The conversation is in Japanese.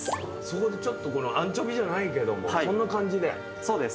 そこでちょっとアンチョビーじゃないけどもそんな感じで？